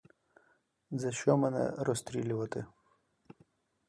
За що мене розстрілювати?